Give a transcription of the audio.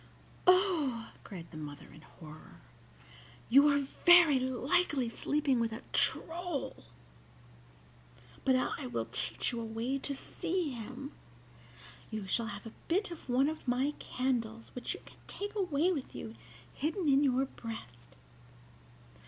"Oh!" cried the mother, in horror, "you are very likely sleeping with a troll! But I will teach you a way to see him. You shall have a bit of one of my candles, which you can take away with you hidden in your breast.